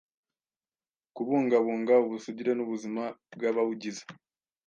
kubungabunga ubusugire n’ubuzima bw’abawugize.